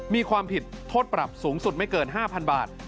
มีความผิดโทษปรับสูงสุดไม่เกิน๕๐๐๐บาท